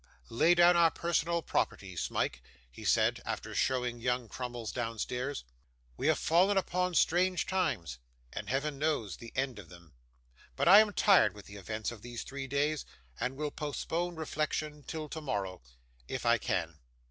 Lay down our personal property, Smike,' he said, after showing young Crummles downstairs. 'We have fallen upon strange times, and Heaven only knows the end of them; but I am tired with the events of these three days, and will postpone reflection till tomorrow if I can.